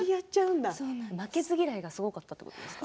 負けず嫌いがすごかったということですか？